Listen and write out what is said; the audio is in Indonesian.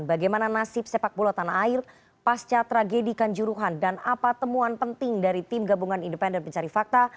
bagaimana nasib sepak bola tanah air pasca tragedi kanjuruhan dan apa temuan penting dari tim gabungan independen pencari fakta